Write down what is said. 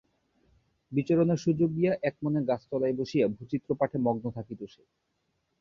বিচরণের সুযোগ দিয়া একমনে গাছতলায় বসিয়া ভুচিত্র পাঠে মগ্ন থাকিত-সে।